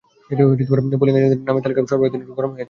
Polling এজেন্টদের নামের তালিকা সরবরাহ নিয়ে তিনি একটু গরম হয়ে যান।